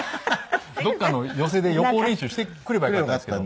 どこかの寄席で予行練習してくればよかったんですけど。